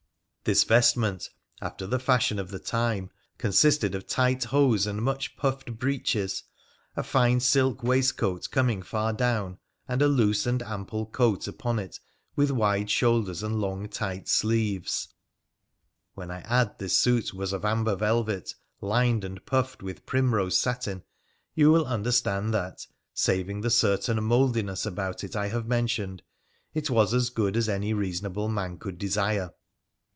This vestment, after the fashion of the time, consisted of tight hose and much puffed breeches, a fine silk waistcoat coming far down, and a loose and ample coat upon it, with wide shoulders and long tight sleeves. When I add this suit was of amber velvet, lined and puffed with primrose satin, you will undertand that, saving the certain mouldiness about it I have mentioned, it was as good as any reasonable man could desire.